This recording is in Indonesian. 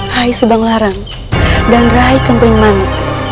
rai subanglarang dan rai kempring mani